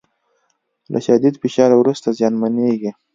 له شدید فشار وروسته زیانمنېږي